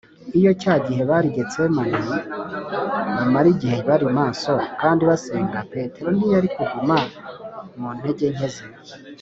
iyo cya gihe bari i getsemani bamara igihe bari maso kandi basenga, petero ntiyari kuguma mu ntege nke ze